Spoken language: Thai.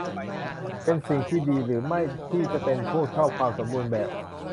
เป็นสิ่งที่ดีหรือไม่ที่จะเป็นพวกชอบความสมบูรณ์แบบ ?